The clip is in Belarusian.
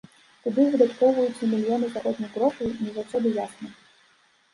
Куды выдаткоўваюцца мільёны заходніх грошай, не заўсёды ясна.